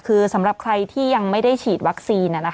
คือสำหรับใครที่ยังไม่ได้ฉีดวัคซีน